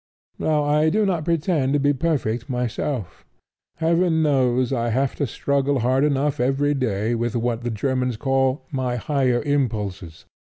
Now I do not pretend to be perfect myself. Heaven knows I have to struggle hard enough every day with what the Germans call my higher impulses.